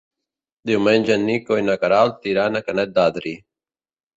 Diumenge en Nico i na Queralt iran a Canet d'Adri.